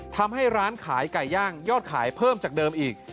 ทำให้ร้านขายไก่ย่างยอดขายเพิ่มจากเดิมอีก